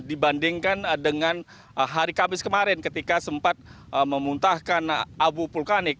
dibandingkan dengan hari kamis kemarin ketika sempat memuntahkan abu vulkanik